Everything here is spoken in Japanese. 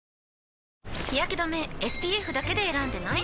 日やけ止めＳＰＦだけで選んでない？